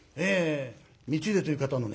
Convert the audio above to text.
光秀という方のね